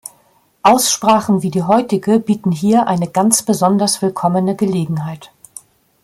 Aussprachen wie die heutige bieten hier eine ganz besonders willkommene Gelegenheit.